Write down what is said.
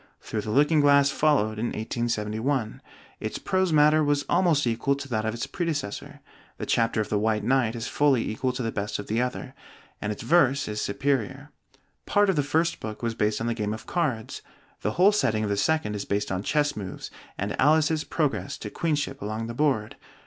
'Through the Looking Glass' followed in 1871; its prose matter was almost equal to that of its predecessor, the chapter of the White Knight is fully equal to the best of the other, and its verse is superior. Part of the first book was based on the game of cards; the whole setting of the second is based on chess moves, and Alice's progress to queenship along the board.